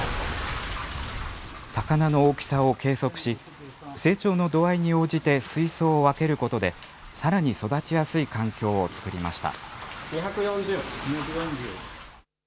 魚の大きさを計測し、成長の度合いに応じて水槽を分けることで、さらに育ちやすい環境を作りました。